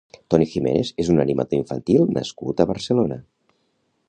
Toni Giménez és un animador infantil nascut a Barcelona.